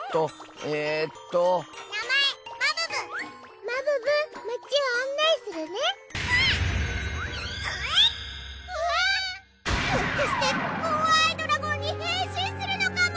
ひょっとしてこわいドラゴンに変身するのかも！